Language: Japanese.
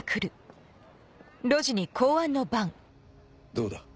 ・どうだ？